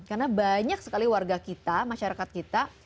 karena banyak sekali warga kita masyarakat kita